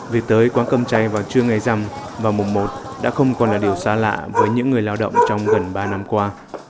việc tới quán cơm chay vào trưa ngày rằm vào mùa một đã không còn là điều xa lạ với những người lao động trong gần ba năm qua